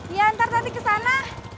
ya antar tati ke sana